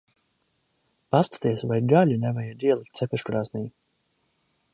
Paskaties, vai gaļu nevajag ielikt cepeškrāsnī.